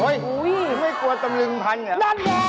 เอ๊ยทุกคนไม่กลัวตำรึงพันธุ์ไง